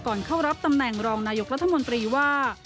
เข้ารับตำแหน่งรองนายกรัฐมนตรีว่า